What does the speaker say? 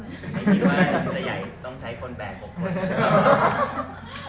ไม่คิดว่าจะใหญ่ต้องใช้คนแบกผม